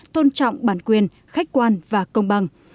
tôn trọng bản quyền khách quan và công bằng